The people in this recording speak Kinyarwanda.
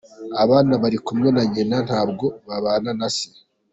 abana bari kumwe na nyina ntabwo babana na se.